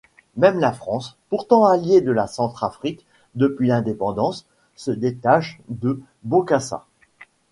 Même la France, pourtant alliée de la Centrafrique depuis l'indépendance, se détache de Bokassa.